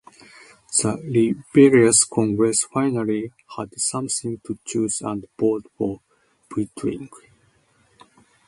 The rebellious congress finally had something to choose and voted for Buitenweg.